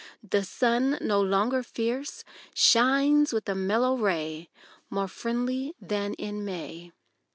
The sun, no longer fierce, shines with a mellow ray, More friendly than in May.